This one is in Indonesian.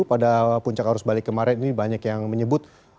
pada puncak arus balik kemarin ini banyak yang menyebut